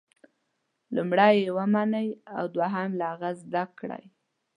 لومړی یې ومنئ او دوهم له هغې زده کړئ.